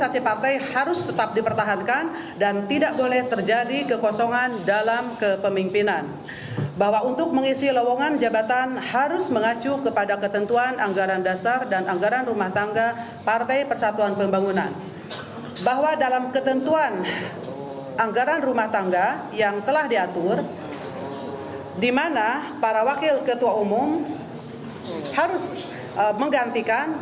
kepada pemerintah saya ingin mengucapkan terima kasih kepada pemerintah pemerintah yang telah menonton